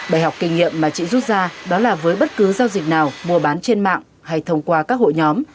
bài học kinh nghiệm mà chị rút ra đó là với bất cứ giao dịch nào mua bán trên mạng hay thông qua các hội nhóm